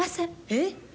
えっ？